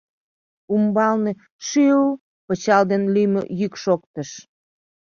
Умбалне — шӱл-л! — пычал ден лӱмӧ йӱк шоктыш.